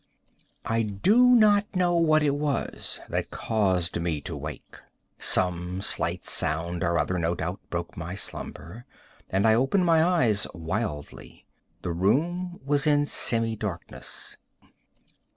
I do not know what it was that caused me to wake. Some slight sound or other, no doubt, broke my slumber, and I opened my eyes wildly. The room was in semi darkness.